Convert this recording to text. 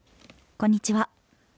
こんにちは。